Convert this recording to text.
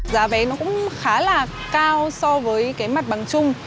giá vé nó cũng khá là cao so với cái mặt bằng chung